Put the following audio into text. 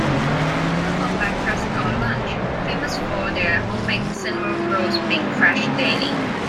Open for breakfast or lunch; famous for their homemade Cinnamon Rolls, made fresh daily.